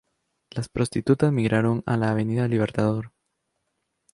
Las prostitutas migraron a la Avenida Libertador.